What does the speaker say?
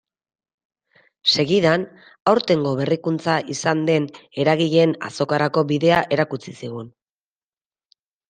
Segidan, aurtengo berrikuntza izan den eragileen azokarako bidea erakutsi zigun.